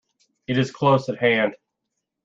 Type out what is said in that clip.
It is close at hand.